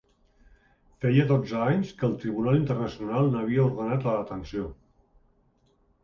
Feia dotze anys que el tribunal internacional n’havia ordenat la detenció.